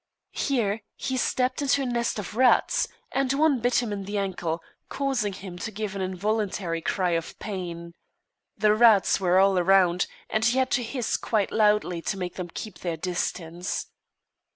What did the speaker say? Here he stepped into a nest of rats, and one bit him in the ankle, causing him to give an involuntary cry of pain. The rats were all around, and he had to hiss quite loudly to make them keep their distance.